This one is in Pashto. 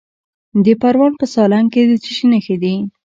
د پروان په سالنګ کې د څه شي نښې دي؟